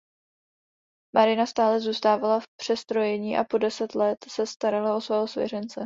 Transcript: Marina stále zůstávala v přestrojení a po deset let se starala o svého svěřence.